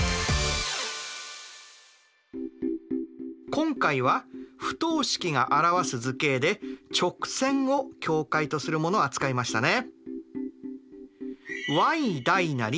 今回は不等式が表す図形で直線を境界とするものを扱いましたね。